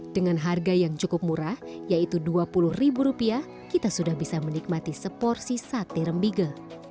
dengan harga yang cukup murah yaitu dua puluh ribu rupiah kita sudah bisa menikmati seporsi sate rembige